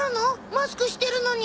マスクしてるのに。